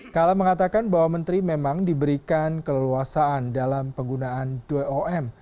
kala mengatakan bahwa menteri memang diberikan keleluasaan dalam penggunaan dom